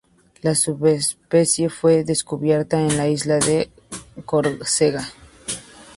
La subespecie fue descubierta en la isla de Córcega.